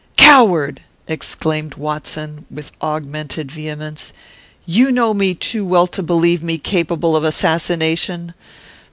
"'Coward!' exclaimed Watson, with augmented vehemence, 'you know me too well to believe me capable of assassination.